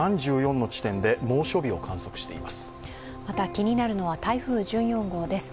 ３４の地点で猛暑日を観測しています。